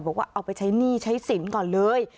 บอกว่าเอาไปใช้หนี้ใช้สินก่อนเลย